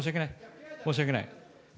申し訳ない。